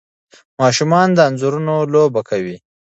ماشومان د انځورونو لوبه کوي.